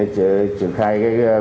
truyền khai cái quyết định